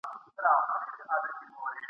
پوښتنه به کوی د زمولېدلو ګلغوټیو !.